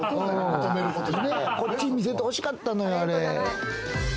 こっちに見せて欲しかったのよ。